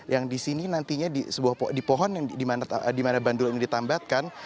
yang di sini nantinya di pohon yang di mana bandul ini ditambatkan